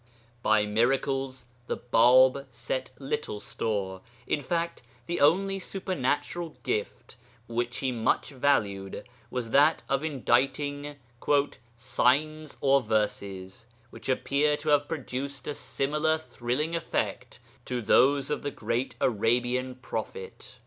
By miracles the Bāb set little store; in fact, the only supernatural gift which he much valued was that of inditing 'signs or verses, which appear to have produced a similar thrilling effect to those of the great Arabian Prophet.